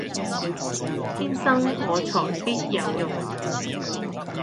天生我才必有用